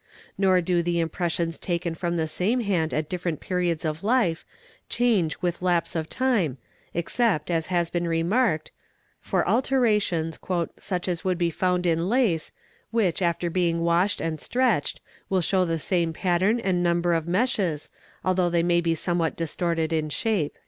Nor do the impressions taken from the 'same hand at different periods of life change with lapse of time except, as has been remarked, for alterations 'such as would be found in lace, which, uf ax being washed and stretched, will show the same pattern and number of 1 eshes, although they may be somewhat distorted in shape.